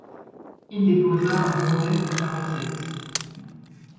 Il déposa un brevet pour sa recette.